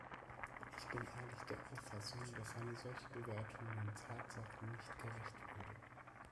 Ich bin ehrlich der Auffassung, dass eine solche Bewertung den Tatsachen nicht gerecht würde.